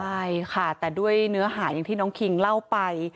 ใช่ค่ะแต่ด้วยเนื้อหาอย่างที่น้องคิงเล่าไป